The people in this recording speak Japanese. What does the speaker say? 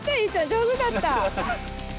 上手だった。